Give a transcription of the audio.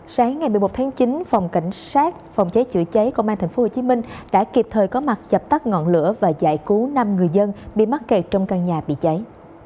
sáng ngày một mươi một tháng chín phòng cảnh sát phòng cháy chữa cháy công an tp hcm đã kịp thời có mặt dập tắt ngọn lửa và giải cứu năm người dân bị mắc kẹt trong căn nhà bị cháy